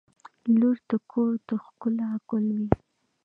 • لور د کور د ښکلا ګل وي.